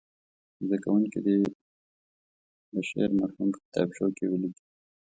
زده کوونکي دې د شعر مفهوم په کتابچو کې ولیکي.